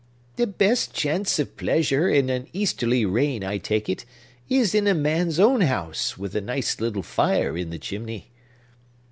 "The best chance of pleasure, in an easterly rain, I take it, is in a man's own house, with a nice little fire in the chimney."